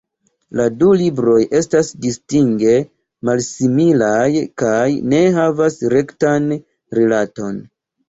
La du libroj estas distinge malsimilaj kaj ne havas rektan rilaton.